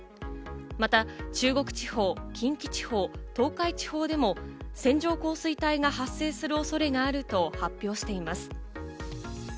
また中国地方、近畿地方、東海地方でも線状降水帯が発生する恐れがあると発表しています。